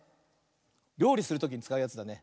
りょうりするときにつかうやつだね。